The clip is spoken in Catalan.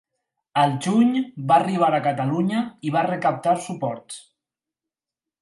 Al juny va arribar a Catalunya i va recaptar suports.